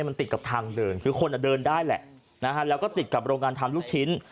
มันติดกับทางเดินคือคนเดินได้แหละนะฮะแล้วก็ติดกับโรงงานทำลูกชิ้น